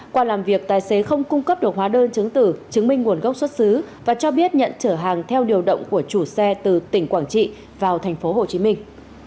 qua làm việc tài xế không cung cấp được hóa đơn chứng tử chứng minh nguồn gốc xuất xứ và cho biết nhận trở hàng theo điều động của chủ xe từ tỉnh quảng trị vào thành phố hồ chí minh